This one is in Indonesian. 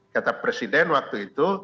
kata presiden waktu itu